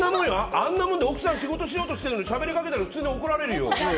あんなもんで奥さん仕事しようとしてるのにしゃべりかけたら普通、怒られるよ。